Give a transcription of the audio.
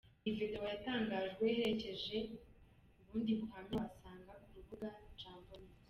Iyi video yatangajwe iherekeje ubundi buhamya wasanga ku rubuga jambonews